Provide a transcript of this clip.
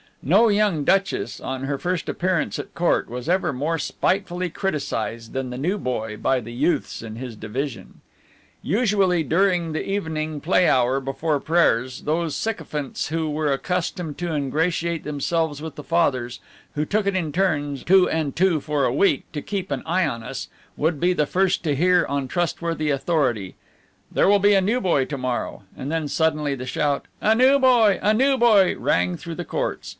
No young duchess, on her first appearance at Court, was ever more spitefully criticised than the new boy by the youths in his division. Usually during the evening play hour before prayers, those sycophants who were accustomed to ingratiate themselves with the Fathers who took it in turns two and two for a week to keep an eye on us, would be the first to hear on trustworthy authority: "There will be a new boy to morrow!" and then suddenly the shout, "A New Boy! A New Boy!" rang through the courts.